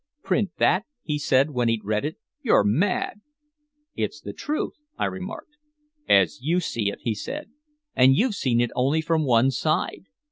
"Print that?" he said when he'd read it. "You're mad." "It's the truth," I remarked. "As you see it," he said. "And you've seen it only from one side.